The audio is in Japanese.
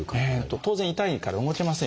当然痛いから動けませんよね。